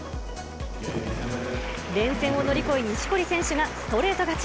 連戦を乗り越え、錦織選手がストレート勝ち。